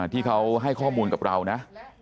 ที่เขาให้ข้อมูลกับเรานะ